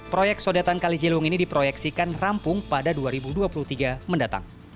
proyek sodetan kali ciliwung ini diproyeksikan rampung pada dua ribu dua puluh tiga mendatang